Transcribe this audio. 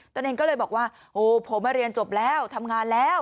ตัวเองก็เลยบอกว่าโอ้ผมมาเรียนจบแล้วทำงานแล้ว